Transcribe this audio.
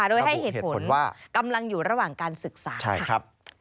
โดยให้เหตุผลว่ากำลังอยู่ระหว่างการศึกษาค่ะ